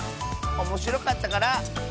おもしろかったから。